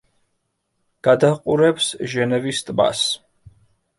გადაჰყურებს ჟენევის ტბას.